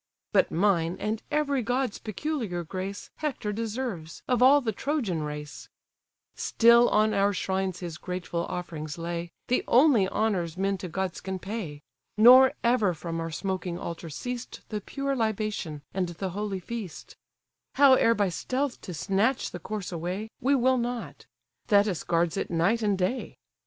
But mine, and every god's peculiar grace Hector deserves, of all the Trojan race: Still on our shrines his grateful offerings lay, (The only honours men to gods can pay,) Nor ever from our smoking altar ceased The pure libation, and the holy feast: Howe'er by stealth to snatch the corse away, We will not: Thetis guards it night and day.